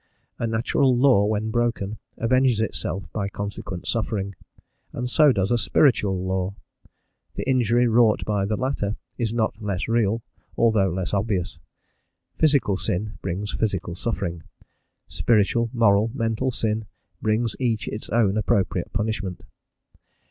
A natural law, when broken, avenges itself by consequent suffering, and so does a spiritual law: the injury wrought by the latter is not less real, although less obvious. Physical sin brings physical suffering; spiritual, moral, mental sin brings each its own appropriate punishment.